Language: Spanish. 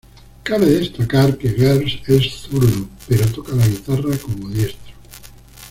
Cabe destacar que Gers es zurdo pero toca la guitarra como diestro.